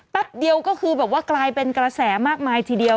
เดียวก็คือแบบว่ากลายเป็นกระแสมากมายทีเดียว